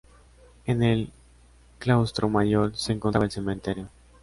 En el claustro Mayor se encontraba el cementerio.